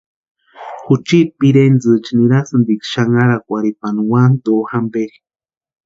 Juchiiti pirentsïcha nirasïntiksï xanharakwarhipani Uanto jamperi.